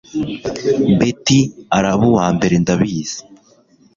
Beti Araba uwambere ndabizi